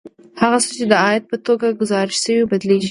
هغه څه چې د عاید په توګه ګزارش شوي بدلېږي